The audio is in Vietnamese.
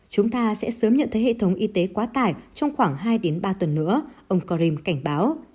chúng ta sẽ sớm nhận thấy hệ thống y tế quá tải trong khoảng hai ba tuần nữa ông karim cảnh báo